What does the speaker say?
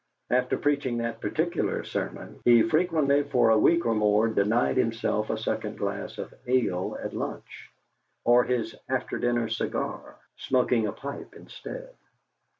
After preaching that particular sermon, he frequently for a week or more denied himself a second glass of ale at lunch, or his after dinner cigar, smoking a pipe instead.